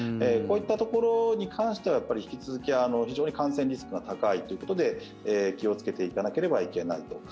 こういったところに関しては引き続き、非常に感染リスクが高いということで気をつけていかなければいけない。